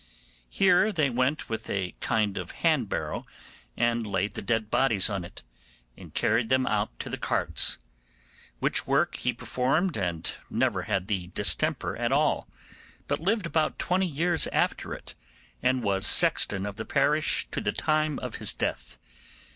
Here they went with a kind of hand barrow and laid the dead bodies on it, and carried them out to the carts; which work he performed and never had the distemper at all, but lived about twenty years after it, and was sexton of the parish to the time of his death.